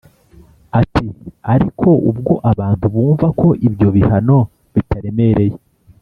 ati “ariko ubwo abantu bumva ko ibyo bihano bitaremereye,